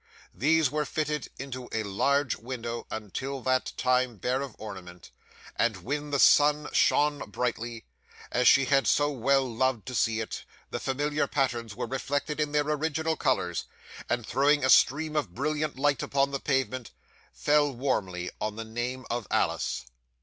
These were fitted into a large window until that time bare of ornament; and when the sun shone brightly, as she had so well loved to see it, the familiar patterns were reflected in their original colours, and throwing a stream of brilliant light upon the pavement, fell warmly on the name of Alice.